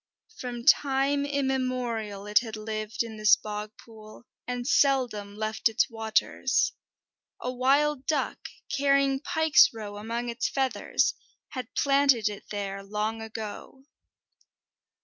From time immemorial it had lived in this bog pool, and seldom left its waters. A wild duck, carrying pike's roe among its feathers, had planted it there long ago.